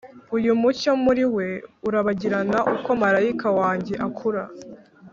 uyu mucyo muri we urabagirana uko marayika wanjye akura.